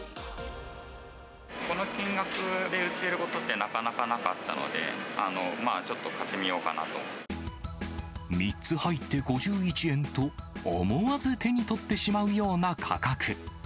この金額で売ってることってなかなかなかったので、ちょっと３つ入って５１円と、思わず手に取ってしまうような価格。